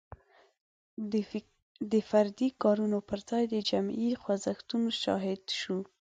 د فردي کارونو پر ځای د جمعي خوځښتونو شاهدان شو.